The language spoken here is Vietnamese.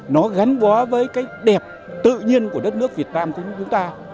nó gắn bó với cái đẹp tự nhiên của đất nước việt nam chúng ta